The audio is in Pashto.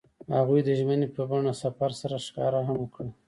هغوی د ژمنې په بڼه سفر سره ښکاره هم کړه.